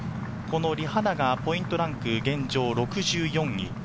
リ・ハナがポイントランク、現状６４位。